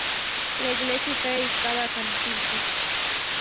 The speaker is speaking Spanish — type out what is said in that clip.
La iglesia está dedicada a san Tirso.